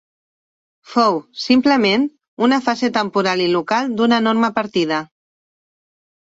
Fou, simplement, una fase temporal i local d'una enorme partida